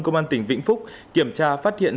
công an tỉnh vĩnh phúc kiểm tra phát hiện